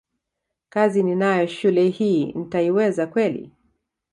kazi ninayo shule hii nitaiweza kweli